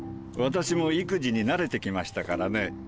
私も育児に慣れてきましたからね。